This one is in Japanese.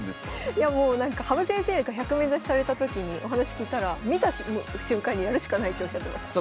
いやもう羽生先生が１００面指しされた時にお話聞いたら見た瞬間にやるしかないっておっしゃってました。